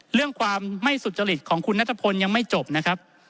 เรื่องความไม่สุจริตของคุณนัทพลยังไม่จบนะครับ